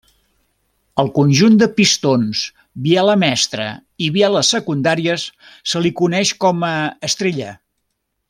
Al conjunt de pistons, biela mestra i bieles secundàries se li coneix com a estrella.